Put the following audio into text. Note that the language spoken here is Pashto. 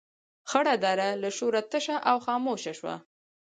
خړه دره له شوره تشه او خاموشه شوه.